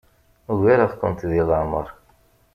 Ugareɣ-kent deg leɛmeṛ.